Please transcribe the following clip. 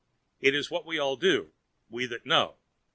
It is what we all do—we that know.